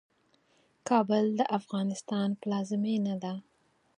کابل د افغانستان پلازمينه ده.